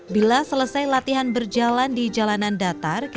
bila selesai latihan berjalan di jalanan datar